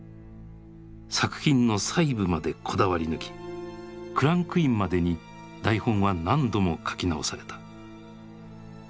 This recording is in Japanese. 作品の細部までこだわり抜きクランクインまでに台本は何度も書き直された。